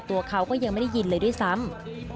ตัวเขาก็ยังไม่ได้ยินเลยด้วยซ้ำ